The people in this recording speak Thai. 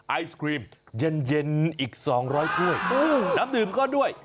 ไอศครีมเย็นอีก๒๐๐ถ้วยน้ำดื่มก็ด้วย